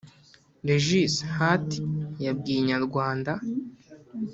Regis Hat yabwiye Inyarwanda